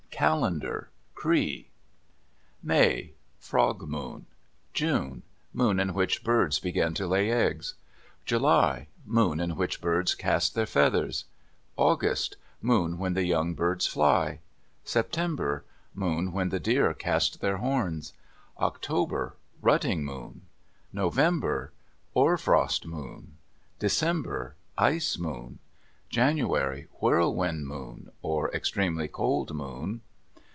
CALENDAR Cree May.—Frog moon. June.—Moon in which birds begin to lay eggs. July.—Moon in which birds cast their feathers. August.—Moon when the young birds fly. September.—Moon when the deer cast their horns. October.—Rutting moon. November.—Hoar frost moon. December.—Ice moon. January.—Whirlwind moon; or, extremely cold moon.